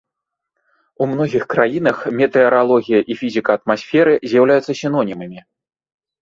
У многіх краінах метэаралогія і фізіка атмасферы з'яўляюцца сінонімамі.